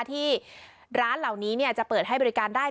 ที่ร้านเหล่านี้จะเปิดให้บริการได้